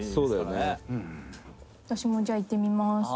「私もじゃあいってみます」